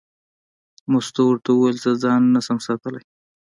مستو ورته وویل: زه ځان نه شم ساتلی.